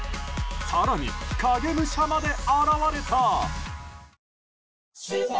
更に、影武者まで現れた。